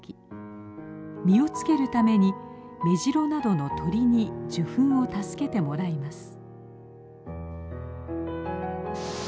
実をつけるためにメジロなどの鳥に受粉を助けてもらいます。